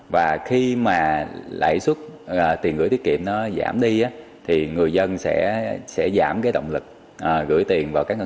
và khi mà lãi suất tiền gửi tiết kiệm nó giảm đi thì người dân sẽ giảm cái động lực gửi tiền